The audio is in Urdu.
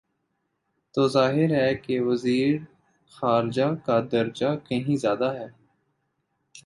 تو ظاہر ہے کہ وزیر خارجہ کا درجہ کہیں زیادہ ہے۔